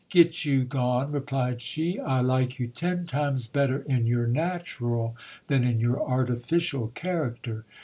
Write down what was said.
Get you gone, replied she, I like you ten times better in your natural than in your artificial character.